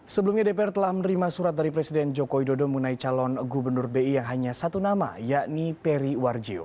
sebelumnya dpr telah menerima surat dari presiden joko widodo mengenai calon gubernur bi yang hanya satu nama yakni peri warjio